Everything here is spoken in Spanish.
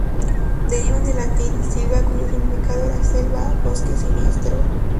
Deriva del latín "silva", cuyo significado era ‘selva’, ‘bosque siniestro’.